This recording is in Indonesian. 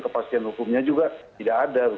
kepastian hukumnya juga tidak ada